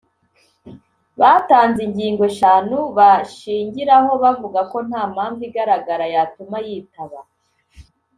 batanze ingingo eshanu bashingiraho bavuga ko nta mpamvu igaragara yatuma yitaba